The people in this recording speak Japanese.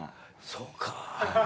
そうか。